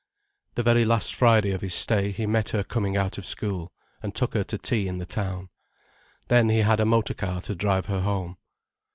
The very last Friday of his stay he met her coming out of school, and took her to tea in the town. Then he had a motor car to drive her home.